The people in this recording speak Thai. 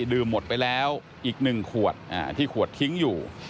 ดื่มหมดไปแล้วอีก๑ขวดที่ขวดทิ้งอยู่